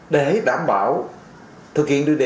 để đảm bảo thực hiện đề án một triệu